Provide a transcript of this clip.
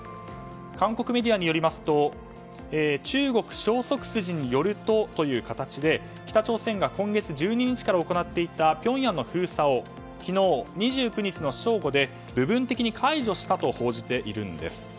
韓国メディアによりますと中国消息筋によるとという形で北朝鮮が今月１２日から行っていたピョンヤンの封鎖を昨日２９日の正午で部分的に解除したと報じているんです。